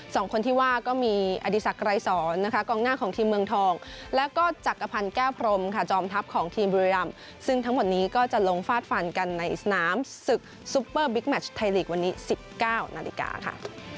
สองคนที่ว่าก็มีอดีศักดรายสอนนะคะกองหน้าของทีมเมืองทองแล้วก็จักรพันธ์แก้วพรมค่ะจอมทัพของทีมบุรีรำซึ่งทั้งหมดนี้ก็จะลงฟาดฟันกันในสนามศึกซุปเปอร์บิ๊กแมชไทยลีกวันนี้๑๙นาฬิกาค่ะ